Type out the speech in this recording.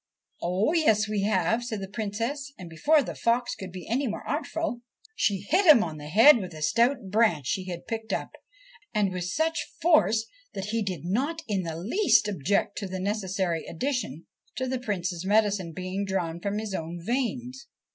' Oh yes, we have,' said the Princess, and, before the fox could be any more artful, she hit him on the head with a stout branch she had picked up, and with such force that he did not in the least object to the necessary addition to the Prince's medicine being drawn from his own veins.